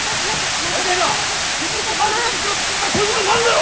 だいたいなケチって満席にしようとするからこういうことになるんだろ！